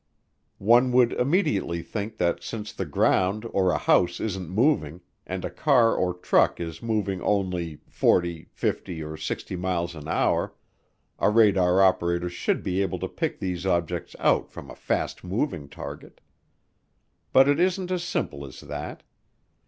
One would immediately think that since the ground or a house isn't moving, and a car or truck is moving only 40, 50, or 60 miles an hour, a radar operator should be able to pick these objects out from a fast moving target. But it isn't as simple as that.